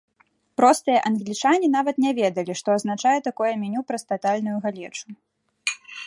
Простыя англічане нават не ведалі, што азначае такое меню праз татальную галечу.